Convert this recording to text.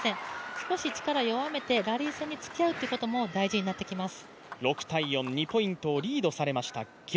少し力を弱めて、ラリー戦につきあうということも大事になってきます。